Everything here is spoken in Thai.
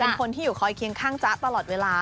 เป็นคนที่อยู่คอยเคียงข้างจ๊ะตลอดเวลา